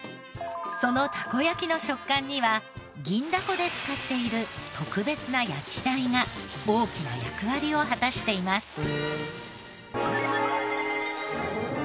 そのたこ焼きの食感には銀だこで使っている特別な焼台が大きな役割を果たしています。